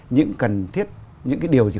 những cần thiết những cái điều gì